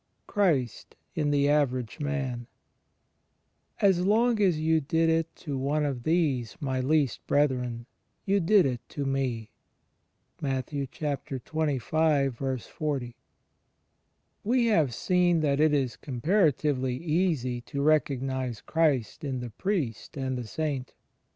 X CHRIST IN THE AVERAGE MAN As long as you did it to one of these my least brethren^ you did it to me. — Matt, xxv: 40. We have seen that it is comparatively easy to recog nize Christ in the Priest and the Saint.